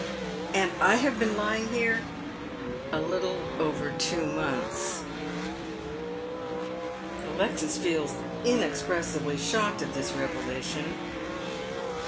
And I have been lying here "" A little over two months." Alexis feels inexpressibly shocked at this revelation.